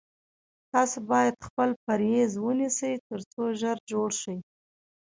تاسو باید خپل پریز ونیسی تر څو ژر جوړ شی